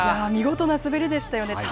見事な滑りでしたよね。